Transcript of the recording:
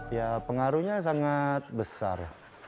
ya pengaruhnya sangat besar